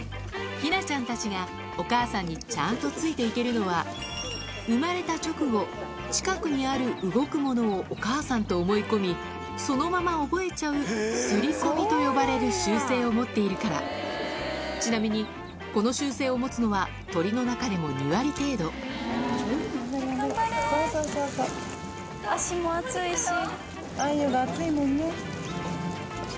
ヒナちゃんたちがお母さんにちゃんとついて行けるのは生まれた直後近くにある動くものをお母さんと思い込みそのまま覚えちゃう刷り込みと呼ばれる習性を持っているからちなみにこの習性を持つのは鳥の中でも２割程度足も熱いし。